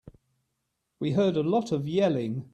We heard a lot of yelling.